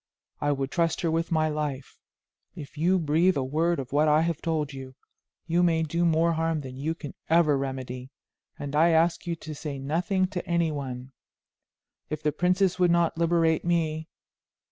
I would trust her with my life. If you breathe a word of what I have told you, you may do more harm than you can ever remedy, and I ask you to say nothing to any one. If the princess would not liberate me